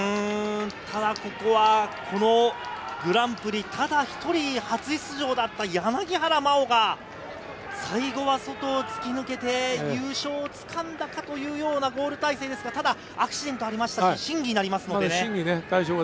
ここは、このグランプリ、ただ一人初出場だった柳原真緒が最後は外を突き抜けて、優勝を掴んだかというようなゴール体勢ですが、ただアクシデントがありましたので、審議になりますね。